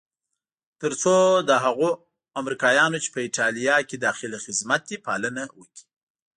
تر څو د هغو امریکایانو چې په ایټالیا کې داخل خدمت دي پالنه وکړي.